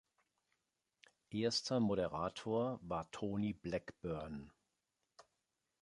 Erster Moderator war Tony Blackburn.